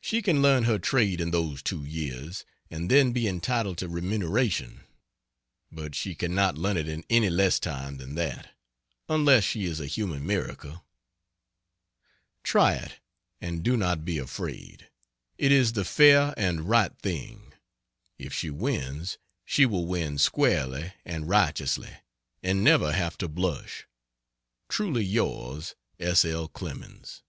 She can learn her trade in those two years, and then be entitled to remuneration but she can not learn it in any less time than that, unless she is a human miracle. Try it, and do not be afraid. It is the fair and right thing. If she wins, she will win squarely and righteously, and never have to blush. Truly yours, S. L. CLEMENS.